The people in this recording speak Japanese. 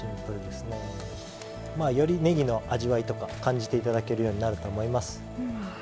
よりねぎの味わいとか感じて頂けるようになると思います。